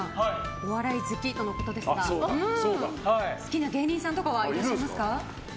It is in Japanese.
お笑い好きとのことですが好きな芸人さんとかはいらっしゃいますか？